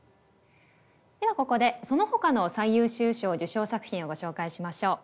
ではここでそのほかの最優秀賞受賞作品をご紹介しましょう。